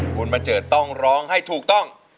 คุณมะเจอร์ต้องร้องให้ถูกต้อง